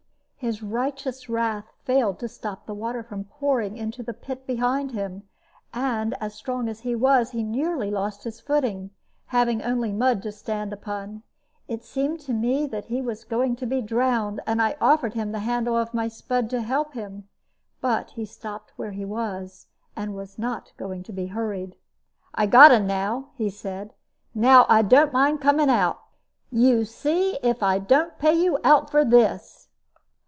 His righteous wrath failed to stop the water from pouring into the pit behind him; and, strong as he was, he nearly lost his footing, having only mud to stand upon. It seemed to me that he was going to be drowned, and I offered him the handle of my spud to help him; but he stopped where he was, and was not going to be hurried. "I got un now," he said; "now I don't mind coming out. You see if I don't pay you out for this!